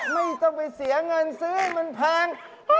ไม่ต้องไปเสียเงินซื้อมันแพง